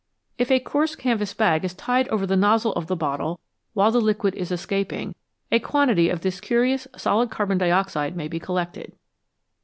If a coarse canvas bag is tied over the nozzle of the bottle while the liquid is escaping, a quantity of this curious solid carbon dioxide may be collected.